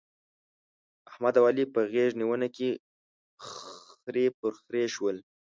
احمد او علي په غېږ نيونه کې خرې پر خرې شول.